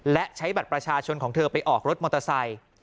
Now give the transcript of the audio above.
และใช้บัตรประชาชนของเธอไปออกรถมอเตอร์ไซค์